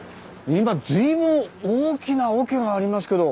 今随分大きな桶がありますけど。